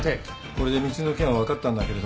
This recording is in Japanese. これで密輸の件は分かったんだけれども。